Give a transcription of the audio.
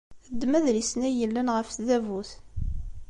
Ddem adlis-nni ay yellan ɣef tdabut.